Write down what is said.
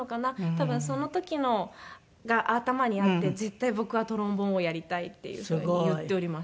多分その時のが頭にあって「絶対僕はトロンボーンをやりたい」っていうふうに言っております。